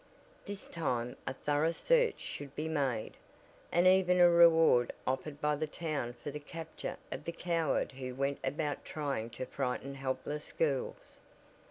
This time a thorough search should be made, and even a reward offered by the town for the capture of the coward who went about trying to frighten helpless girls.